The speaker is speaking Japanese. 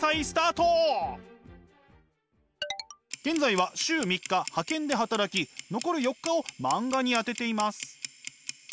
現在は週３日派遣で働き残る４日を漫画に充てています。